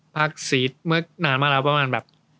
ซีดเมื่อนานมากแล้วประมาณแบบ